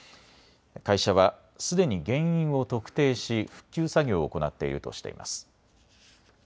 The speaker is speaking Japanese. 会社はすでに原因を特定し復旧作業を行っているとしています。